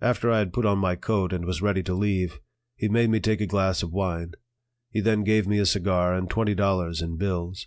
After I had put on my coat and was ready to leave, he made me take a glass of wine; he then gave me a cigar and twenty dollars in bills.